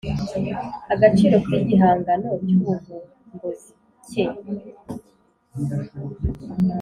agaciro k igihangano cy ubuvumbuzi cye